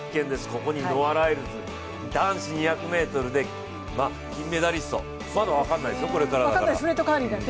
ここにノア・ライルズ、男子２００ｍで金メダリスト、まだ分からないですよ、これからだから。